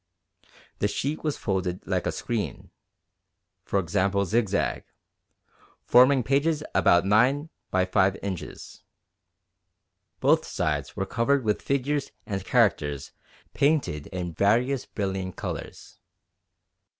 The sheet was folded like a screen (i.e. zigzag) forming pages about 9 × 5 inches. Both sides were covered with figures and characters painted in various brilliant colours.